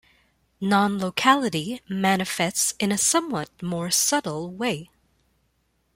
Non-locality manifests in a somewhat more subtle way.